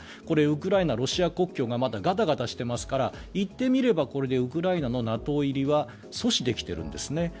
これ、ウクライナ、ロシア国境がまだガタガタしていますからいってみればこれでウクライナのＮＡＴＯ入りは阻止できているんですね。